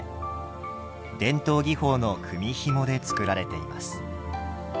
伝統技法の組みひもで作られています。